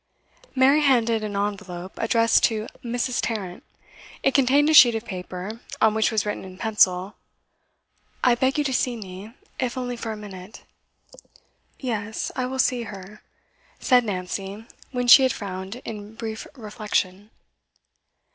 Mary handed an envelope, addressed to 'Mrs. Tarrant.' It contained a sheet of paper, on which was written in pencil: 'I beg you to see me, if only for a minute.' 'Yes, I will see her,' said Nancy, when she had frowned in brief reflection.